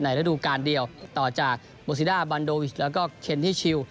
ระดูการเดียวต่อจากโมซิด้าบันโดวิชแล้วก็เคนที่ชิล